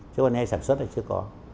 chứ còn ai sản xuất thì chưa có